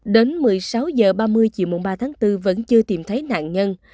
đến một mươi sáu h ba mươi chiều ba tháng bốn vẫn chưa tìm thấy nạn nhân